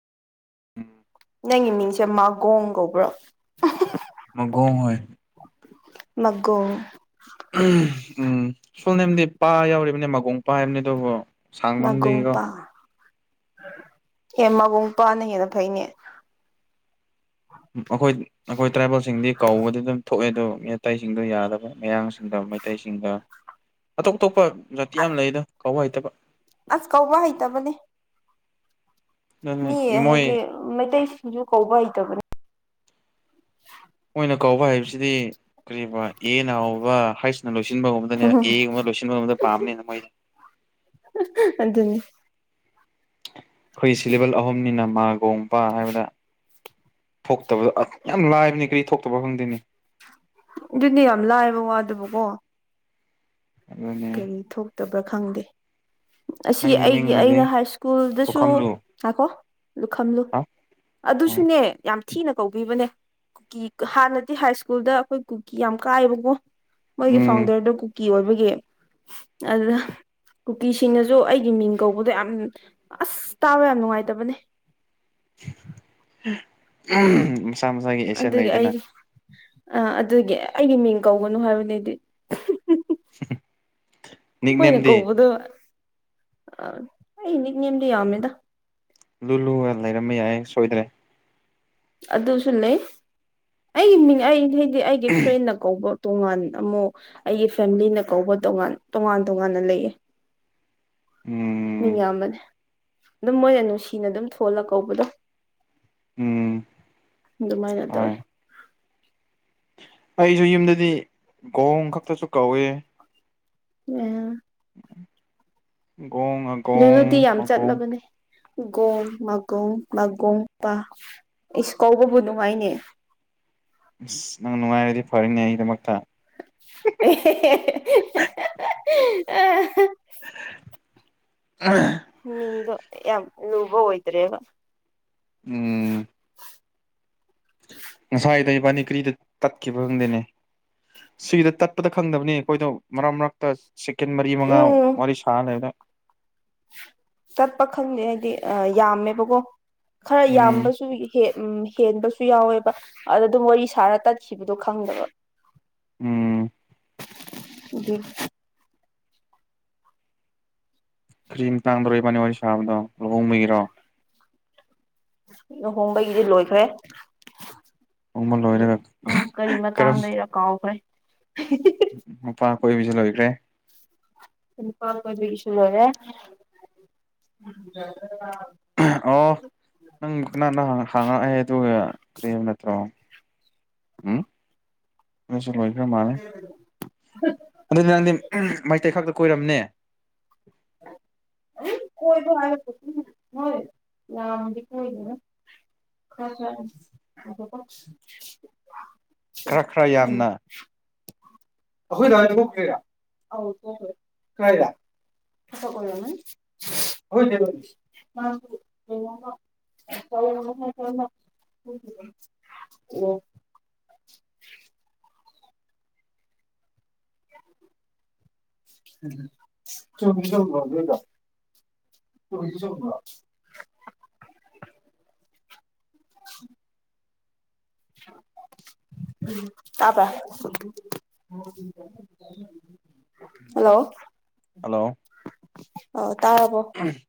ꯅꯪꯒꯤ ꯃꯤꯡꯁꯦ ꯃꯥꯒꯣꯡ ꯀꯧꯕ꯭ꯔꯣ꯫ ꯃꯒꯣꯡ ꯍꯣꯏ ꯃꯒꯣꯡ꯫ ꯎꯝ꯫ ꯁꯣ ꯅꯦꯝꯗꯤ ꯄꯥ ꯌꯥꯎꯔꯤꯕꯅꯦ ꯃꯥꯒꯣꯡ꯫ ꯄꯥꯏꯝꯅꯦ ꯗꯨꯕꯨ꯫ ꯅꯥꯒꯨꯨꯝꯄꯥ꯫ ꯑꯦ ꯃꯕꯨꯡꯄꯥꯥꯅ ꯍꯦꯟꯅ ꯐꯩꯅꯦ꯫ ꯑꯩꯈꯣꯏ ꯑꯩꯈꯣꯏ ꯇ꯭ꯔꯥꯏꯕꯦꯜꯁꯤꯡꯗꯤ ꯀꯧꯕꯗꯤ ꯑꯗꯨꯝ ꯊꯣꯛꯑꯦ ꯑꯗꯣ꯫ ꯑꯇꯩꯁꯤꯡꯗꯣ ꯌꯥꯗꯕ ꯃꯌꯥꯡꯁꯤꯡꯒ ꯃꯩꯇꯩꯁꯤꯡꯒ ꯑꯇꯣꯞ ꯑꯇꯣꯞꯄ꯫ ꯖꯥꯇꯤ ꯌꯥꯝ ꯂꯩꯗ ꯀꯋꯥꯏ꯫ ꯇꯕ꯫ ꯑꯁ ꯀꯧꯕ ꯍꯩꯇꯕꯅꯦ꯫ ꯑꯗꯨꯅ ꯃꯤ ꯃꯣꯏ ꯍꯥꯏꯗꯤ ꯃꯩꯇꯩꯁꯤꯡꯁꯨ ꯀꯧꯕ ꯍꯩ ꯇꯕꯅꯦ꯫ ꯃꯣꯏꯅ ꯀꯧꯕ ꯍꯩꯕꯁꯤꯗꯤ꯫ ꯀꯔꯤꯕ ꯑꯦ ꯅꯥ ꯍꯥꯎꯕ ꯍꯥ꯭ꯑꯦꯁꯅ ꯂꯣꯏꯁꯤꯟꯕꯒꯨꯝꯕꯗꯅꯦ ꯑꯦꯒꯨꯝꯕ ꯂꯣꯏꯁꯤꯟꯕꯒꯨꯝꯕꯗ ꯄꯥꯝꯃꯦ ꯃꯣꯏꯗꯤ꯫ ꯑꯗꯨꯅꯤ ꯑꯩꯈꯣꯏ ꯁꯤꯂꯦꯕꯜ ꯑꯍꯨꯝꯅꯤꯅ ꯃꯥ꯫ ꯄꯣꯡꯄꯥ ꯍꯥꯏꯕꯗ꯫ ꯊꯣꯛꯇꯕꯗ ꯌꯥꯝ ꯂꯥꯏꯕꯅꯤ ꯀꯔꯤ ꯊꯣꯛꯇꯕ ꯈꯪꯗꯦꯅꯦ꯫ ꯑꯗꯨꯅꯦ ꯌꯥꯝ ꯂꯥꯏꯕ ꯋꯥꯗꯨꯕꯨꯀꯣ꯫ ꯑꯗꯨꯅꯦ ꯀꯩ ꯊꯣꯛꯇꯕ꯫ ꯈꯪꯗꯦ꯫ ꯑꯁꯤ ꯅꯪꯒꯤ ꯑꯩꯒꯤ ꯃꯤꯡꯅꯗꯤ ꯑꯩꯅ ꯍꯥꯏ ꯁ꯭ꯀꯨꯜꯗꯁꯨ ꯄꯨꯈꯝꯂꯨ ꯉꯥꯏꯈꯣ꯫ ꯂꯨꯈꯝꯂꯨ ꯍꯥ ꯑꯗꯨꯁꯨꯅꯦ ꯌꯥꯝ꯫ ꯊꯤꯅ ꯀꯧꯕꯤꯕꯅꯦ ꯀꯨꯀꯤ ꯍꯥꯟꯅꯗꯤ ꯍꯥꯏ ꯁ꯭ꯀꯨꯜꯗ ꯑꯩꯈꯣꯏ ꯀꯨꯀꯤ ꯌꯥꯝ ꯀꯥꯏꯕꯀꯣ꯫ ꯃꯣꯏꯒꯤ ꯎꯝ ꯐꯥꯎꯟꯗꯔꯗꯣ ꯀꯨ- ꯀꯤ ꯑꯣꯏꯕꯒꯤ꯫ ꯑꯗꯨꯗ ꯀꯨꯀꯤꯁꯤꯡꯅꯁꯨ ꯑꯩꯒꯤ ꯃꯤꯡ ꯀꯧꯕꯗꯣ ꯌꯥꯝ ꯑꯁ ꯇꯥꯕ ꯌꯥꯝ ꯅꯨꯡꯉꯥꯏꯇꯕꯅꯦ꯫ ꯎꯝ꯫ ꯃꯁꯥ ꯃꯁꯥꯒꯤ ꯑꯦꯁꯦꯟ ꯂꯩꯗꯅ꯫ ꯑ ꯑꯗꯨꯒꯤ ꯑꯩꯒꯤ ꯃꯤꯡ ꯀꯧꯒꯅꯨ ꯍꯥꯏꯕꯗꯦꯗꯤ꯫ [unintelligible] ꯀꯣꯏꯅ ꯅꯤꯛꯅꯦꯝꯗꯤ ꯀꯧꯕꯗꯨ꯫ ꯑꯗꯤ ꯌꯥꯃꯦꯗ ꯂꯨ ꯂꯨꯨꯔ ꯂꯩꯔꯝꯕ ꯌꯥꯏ ꯁꯣꯏꯗ꯭ꯔꯦ ꯑꯗꯨꯁꯨ ꯂꯩ ꯑꯩꯒꯤ ꯃꯤꯡ ꯑꯩ ꯗꯤ ꯑꯩꯒꯤ ꯐ꯭ꯔꯦꯟꯅ ꯀꯧꯕ ꯇꯣꯉꯥꯟ ꯑꯃꯨꯛ ꯑꯩꯒꯤ ꯐꯦꯃꯤꯂꯤꯅ ꯀꯧꯕ ꯇꯣꯉꯥꯟ ꯇꯣꯉꯥꯟ ꯇꯣꯉꯥꯟꯅ ꯂꯩꯌꯦ ꯎꯝ ꯃꯤꯡ ꯌꯥꯝꯕꯅꯦ ꯑꯗꯨꯝ ꯃꯣꯏꯅ ꯅꯨꯡꯁꯤꯅ ꯑꯗꯨꯝ ꯊꯣꯜꯂ ꯀꯧꯕꯗꯣ ꯎꯝ ꯑꯗꯨꯃꯥꯏꯅ ꯇꯧꯋꯦ ꯍꯣꯏ ꯑꯩꯁꯨ ꯌꯨꯝꯗꯗꯤ ꯒꯣꯡ ꯈꯛꯇꯁꯨ ꯀꯧꯏ ꯑ ꯑꯒꯣꯡ ꯑꯒꯣꯡ ꯑꯒꯣꯡ ꯣꯡ ꯃꯒꯣꯡ ꯃꯒꯣꯡ ꯄ ꯑꯩꯁꯨ ꯀꯥꯎꯕꯕꯨ ꯅꯨꯡꯉꯥꯏꯅꯦ ꯑꯁ ꯅꯪ ꯅꯨꯡꯉꯥꯏꯔꯗꯤ ꯐꯔꯅꯦ ꯑꯩꯒꯤꯗꯃꯛꯇ ꯑ [unintelligible] ꯃꯤꯗꯣ ꯌꯥꯝ ꯎꯕꯣ ꯍꯣꯏꯇ꯭ꯔꯦꯕ ꯎꯝ [unintelligible] ꯉꯁꯥꯏꯥꯏ ꯇ ꯕꯥꯅꯤꯒꯔꯤꯗ ꯇꯠꯈꯤꯕ ꯈꯪꯗꯦꯅꯦ ꯁꯤꯒꯤꯗ ꯇꯠꯄꯗ ꯈꯪꯗꯕꯅꯤ ꯑꯩꯈꯣꯏꯗꯣ ꯃꯔꯛ ꯃꯔꯛꯇ ꯆꯦꯀꯦꯟ ꯃꯔꯤ ꯃꯉꯥ ꯎꯝ ꯋꯥꯔꯤ ꯁꯥꯅꯤ ꯑꯅ ꯆꯠꯄ ꯈꯪꯗꯦ ꯍꯥꯏꯗꯤ ꯌꯥꯝꯃꯦꯕꯀꯣ ꯈꯔ ꯎꯝ ꯌꯥꯝꯕꯁꯨ ꯍꯦꯛ ꯎꯝ ꯍꯦꯟꯕꯁꯨ ꯌꯥꯎꯋꯦꯕ ꯑꯗ ꯑꯗꯨꯝ ꯋꯥꯔꯤ ꯁꯥꯔ ꯇꯠꯈꯤꯕꯗꯣ ꯈꯪꯗꯕ ꯎꯝ ꯑꯗꯨꯗ ꯀ꯭ꯔꯤꯝ ꯇꯥꯡꯗꯣ ꯏꯕꯥꯅꯤ ꯋꯥꯔꯤ ꯁꯥꯕꯗꯣ ꯃꯒꯔꯣ ꯂꯨꯍꯣꯡꯕꯒꯤꯗꯤ ꯂꯣꯏꯈ꯭ꯔꯦ ꯑ ꯅꯣꯡꯃ ꯂꯣꯏꯔꯒ ꯑꯃꯨꯛ ꯀꯔꯤ ꯃꯇꯥꯡꯗꯔ ꯀꯥꯎꯈ꯭ꯔꯦ [unintelligible] ꯎ ꯃꯄꯥ ꯀꯣꯏꯕꯤꯁꯨ ꯂꯣꯏꯈ꯭ꯔꯦ ꯀꯄꯥꯁꯨꯔꯦ ꯑꯣ ꯅꯪ ꯀꯅꯥꯅ ꯍꯥꯡꯉꯛꯑꯦ ꯑꯗꯨꯒ ꯀꯔꯤ ꯅꯠꯇ꯭ꯔꯣ ꯎꯝ ꯂꯣꯏꯈꯦ ꯃꯥꯅꯦ ꯎꯝ ꯑꯗꯨꯗꯤ ꯅꯪꯗꯤ ꯃꯩꯇꯩ ꯈꯛꯇ ꯀꯣꯏꯔꯝꯅꯦ ꯀꯣꯏ ꯍꯥꯏ ꯍꯣꯏ ꯌꯝꯗꯤ ꯀꯣꯏ ꯗꯦ ꯈꯔꯥ ꯈꯔꯥ ꯈꯔ ꯈꯔ ꯎꯝ ꯌꯥꯝꯅ ꯈꯣꯏ ꯗꯥ ꯊꯣꯛꯈꯔ꯭ꯤ ꯔꯥ ꯑꯧ ꯊꯣꯛꯈꯔ꯭ꯦ ꯀꯗꯥꯏꯗ ꯑꯁꯤ ꯗ ꯑꯣꯏꯔꯝ ꯅꯤ ꯍꯧ ꯑꯣ [unintelligible] ꯆꯧꯕꯤ ꯁ ꯆꯧ ꯁ ꯎꯝ ꯇꯥꯕꯔꯥ ꯍꯜꯂꯣ ꯍꯜꯂꯣ ꯑ ꯇꯥꯔꯕꯣ